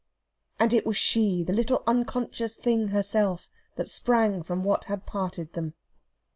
And it was she, the little unconscious thing herself, that sprang from what had parted them.